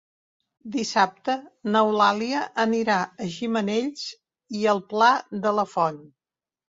Dissabte n'Eulàlia anirà a Gimenells i el Pla de la Font.